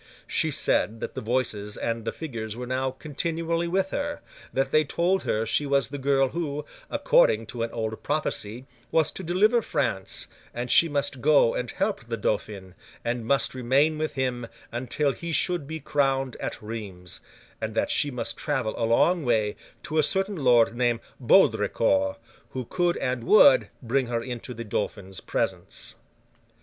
She said that the voices and the figures were now continually with her; that they told her she was the girl who, according to an old prophecy, was to deliver France; and she must go and help the Dauphin, and must remain with him until he should be crowned at Rheims: and that she must travel a long way to a certain lord named Baudricourt, who could and would, bring her into the Dauphin's presence.